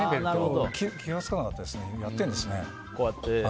気が付かなかったですねやってるんですね。